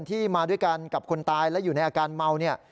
มาด้วยกันกับคนตายและอยู่ในอาการเมาเนี่ย